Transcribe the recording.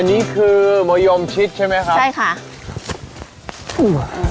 อันนี้คือมะยมชิดใช่ไหมครับใช่ค่ะถั่ว